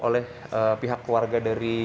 oleh pihak warga dari